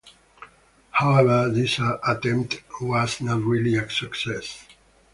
However, this attempt was not really a success.